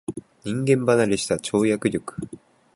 人間離れした跳躍力